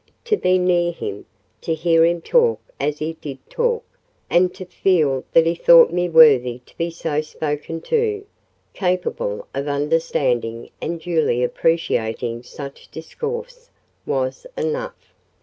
To be near him, to hear him talk as he did talk, and to feel that he thought me worthy to be so spoken to—capable of understanding and duly appreciating such discourse—was enough.